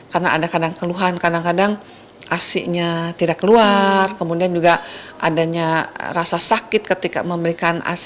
karena ada kadang keluhan kadang kadang ac nya tidak keluar kemudian juga adanya rasa sakit ketika memberikan ac